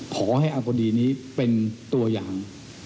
ขอให้อาคดีนี้เป็นตัวอย่าง